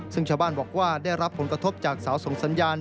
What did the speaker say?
ซึ่งชาวบ้านบอกว่าได้รับผลกระทบจากเสาส่งสัญญาณ